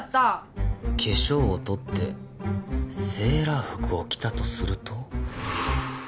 化粧を取ってセーラー服を着たとすると